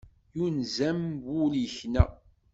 Yunez-am wul yekna.